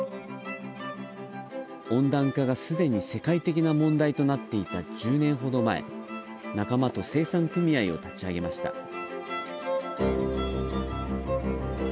温暖化がすでに世界的な問題となっていた１０年ほど前仲間と生産組合を立ち上げました。